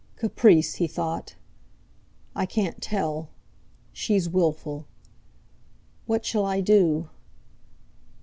'Caprice!' he thought. 'I can't tell. She's wilful. What shall I do?